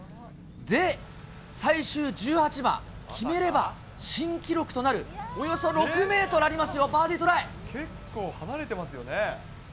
で、最終１８番、決めれば新記録となる、およそ６メートルありますよ、バーディー結構離れてますよね。